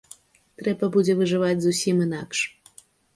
Трэба будзе выжываць зусім інакш.